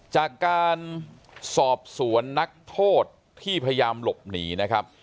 จากการสอบสวนนักโทษที่พยายามหลบหนีนะครับ